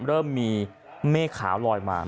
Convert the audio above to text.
เริ่มมีเมฆขาวลอยมา